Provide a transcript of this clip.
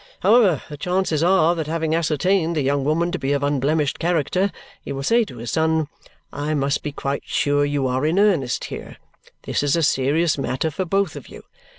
However, the chances are that having ascertained the young woman to be of unblemished character, he will say to his son, 'I must be quite sure you are in earnest here. This is a serious matter for both of you.